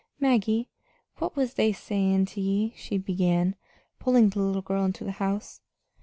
"Maggie, what was they sayin' to ye?" she began, pulling the little girl into the house.